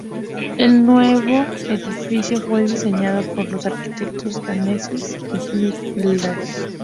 El nuevo edificio fue diseñado por los arquitectos daneses "schmidt hammer lassen".